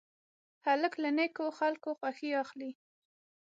هلک له نیکو خلکو خوښي اخلي.